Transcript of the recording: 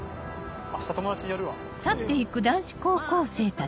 明日友達にやるわ。